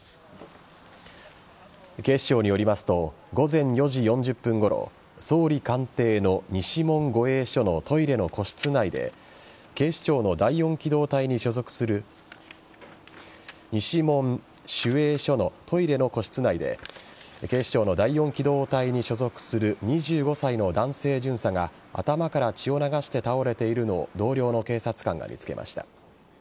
警視庁によりますと午前４時４０分ごろ総理官邸の西門守衛所のトイレの個室内で警視庁の第４機動隊に所属する２５歳の男性巡査が頭から血を流して倒れているのを同僚の警察官が見つけました。